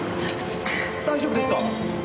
大丈夫ですか！？